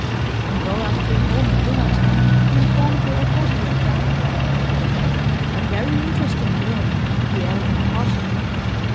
When Dora came home at dinner time, he informed her of what he had done. 'A very interesting girl,' he added impartially.